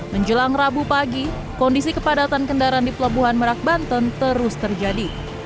menjelang rabu pagi kondisi kepadatan kendaraan di pelabuhan merak banten terus terjadi